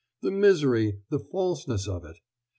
the misery, the falseness of it.